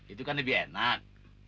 itu kan lebih enak